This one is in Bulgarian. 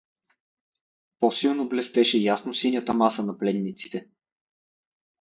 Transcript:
По-силно блестеше ясносинята маса на пленниците.